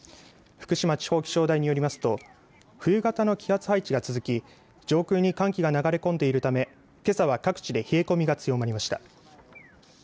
福島地方気象台によりますと冬型の気圧配置が続き上空に寒気が流れ込んでいるためけさは各地で冷え込みが強まりました。